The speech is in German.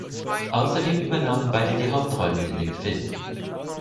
Außerdem übernahmen beide die Hauptrollen in dem Film.